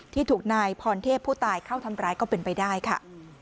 ที่ถูกนายพรเทพผู้ตายเข้าทำร้ายก็เป็นไปได้ค่ะ